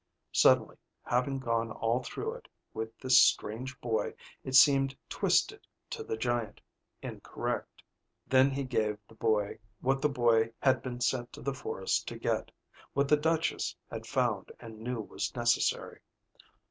Suddenly, having gone all through it with this strange boy, it seemed twisted to the giant, incorrect. Then he gave the boy what the boy had been sent to the forest to get, what the Duchess had found and knew was necessary.